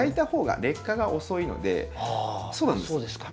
そうですか。